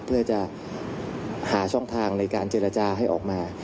เพื่อจะหาช่องทางในการเจรจาให้ออกมา